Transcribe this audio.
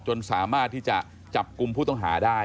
สามารถที่จะจับกลุ่มผู้ต้องหาได้